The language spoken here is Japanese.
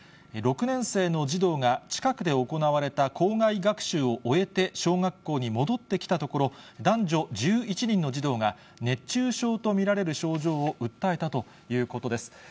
６年生の児童が、近くで行われた校外学習を終えて、小学校に戻ってきたところ、男女１１人の児童が、熱中症と見られる症状を訴えたということです。